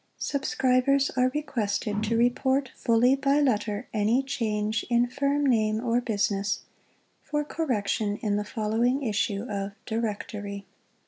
Subscribers are requested to report fully by letter any change in firm name or business, for correction in the following issue of Directory.